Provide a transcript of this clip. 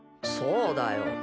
そうだよ。